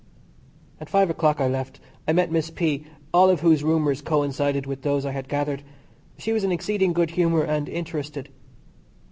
At five o'clock I left. I met Miss P., all of whose rumours coincided with those I had gathered. She was in exceeding good humour and interested.